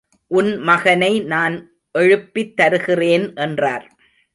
உன் மகனை நான் எழுப்பித் தருகிறேன் என்றார்.